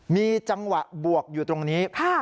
มีจังหวะบวกอยู่ตรงนี้